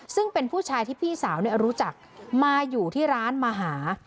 ซึ่งเป็นผู้ชายที่พี่สาวรู้จักมาอยู่ที่ร้านมาหา